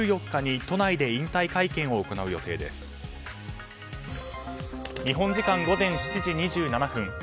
日本時間午前７時２７分